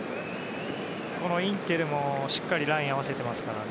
インテルもしっかりラインを合わせてます。